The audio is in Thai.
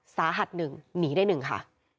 สาหัสหนึ่งหนีได้หนึ่งค่ะ